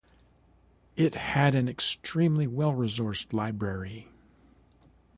It had an extremely well resourced library.